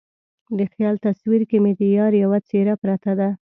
د خیال تصویر کې مې د یار یوه څیره پرته ده